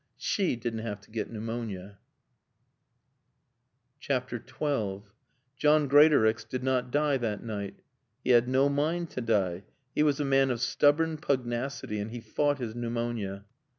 She didn't have to get pneumonia. XII John Greatorex did not die that night. He had no mind to die: he was a man of stubborn pugnacity and he fought his pneumonia.